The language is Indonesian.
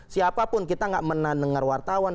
siapapun kita gak menandengar wartawan